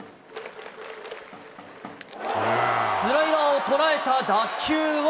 スライダーを捉えた打球は。